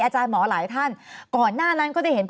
โอ้โหอย่าเครียดมากเลย